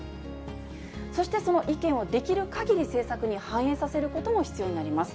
そして、その意見をできるかぎり政策に反映させることも必要になります。